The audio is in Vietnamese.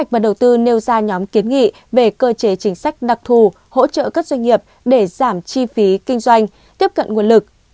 và đầu tư nêu ra nhóm kiến nghị về cơ chế chính sách đặc thù hỗ trợ các doanh nghiệp để giảm chi phí kinh doanh tiếp cận nguồn lực